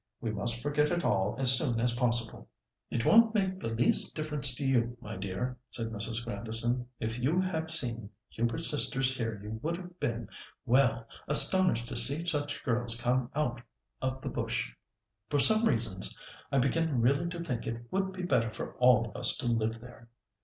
We must forget it all as soon as possible." "It won't make the least difference to you, my dear," said Mrs. Grandison. "If you had seen Hubert's sisters here you would have been—well—astonished to see such girls come out of the bush. For some reasons I begin really to think it would be better for all of us to live there."